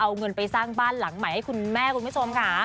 เอาเงินไปสร้างบ้านหลังใหม่ให้คุณแม่คุณผู้ชมค่ะ